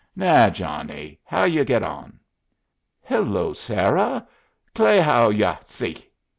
"Nah! Johnny, how you get on?" "Hello, Sarah! Kla how ya, six?"